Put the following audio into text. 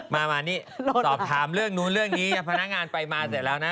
มานี่สอบถามเรื่องนู้นเรื่องนี้พนักงานไปมาเสร็จแล้วนะ